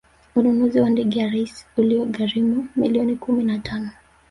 ununuzi wa ndege ya rais uliyoigharimu milioni kumi na tano